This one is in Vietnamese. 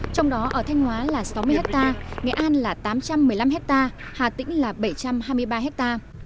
trong đó ở thanh hóa là sáu mươi hecta nghệ an là tám trăm một mươi năm hecta hà tĩnh là bảy trăm hai mươi ba hecta